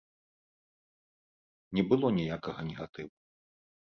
Не было ніякага негатыву.